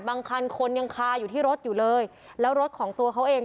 คันคนยังคาอยู่ที่รถอยู่เลยแล้วรถของตัวเขาเอง